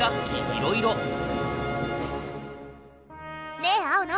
ねえ青野。